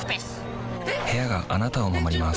部屋があなたを守ります